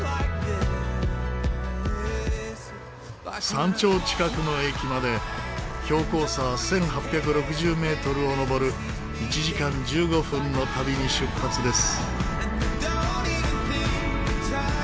山頂近くの駅まで標高差１８６０メートルを登る１時間１５分の旅に出発です。